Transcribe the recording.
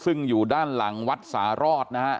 ซึ่งอยู่ด้านหลังวัดสาฬอร์ด